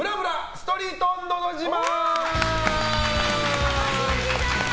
ストリートのど自慢。